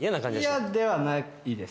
嫌ではないです